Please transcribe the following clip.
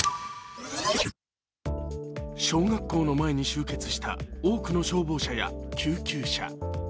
小学校の前に集結した多くの消防車や救急車。